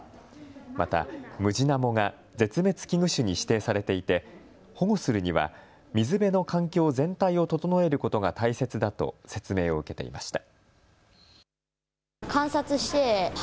またムジナモが絶滅危惧種に指定されていて保護するには水辺の環境全体を整えることが大切だと説明を受けていました。